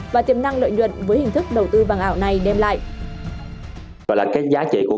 và tiềm năng lợi nhuận với hình thức đầu tư vàng ảo này đem lại